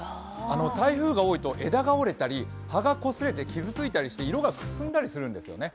台風が多いと枝がくすれたり葉が傷ついたりして色がくすんだりするんですよね。